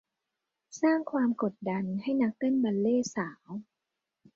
สร้างความกดดันให้นักเต้นบัลเลต์สาว